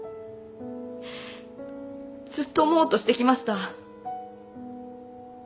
ずっと思おうとしてきました。